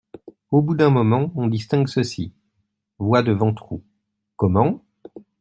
Au bout d’un moment, on distingue ceci : Voix de Ventroux .— Comment ?